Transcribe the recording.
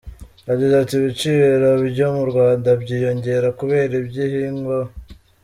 Yagize ati “Ibiciro byo mu Rwanda byiyongera kubera iby’ibihingwa.